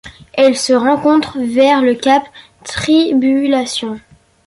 Elle se rencontre vers le cap Tribulation.